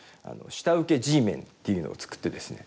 下請けＧメンっていうのを作ってですね